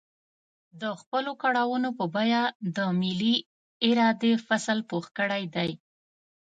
د خپلو کړاوونو په بيه د ملي ارادې فصل پوخ کړی دی.